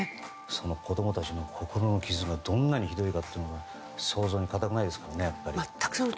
その子供たちの心の傷がどれだけひどいかって想像に難くないですからね。